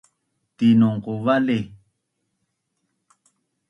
Tinongqu vali